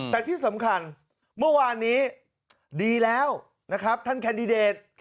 แต่ที่สำคัญเมื่อวานนี้ดีแล้วนะครับท่านแคนดิเดต